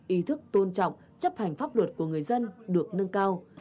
ý thức tôn trọng chấp hành pháp luật của người dân được nâng cao